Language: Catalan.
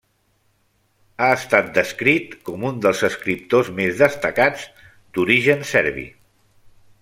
Ha estat descrit com un dels escriptors més destacats d'origen serbi.